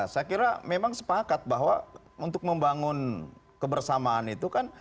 saya kira memang sepakat bahwa untuk membangun kebersamaan itu kan